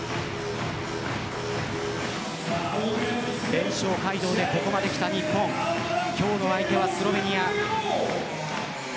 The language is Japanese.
連勝街道でここまできた日本今日の相手はスロベニア。